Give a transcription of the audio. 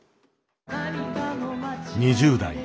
２０代。